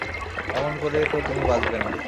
এমন করে তো তুমি বাঁচবে না।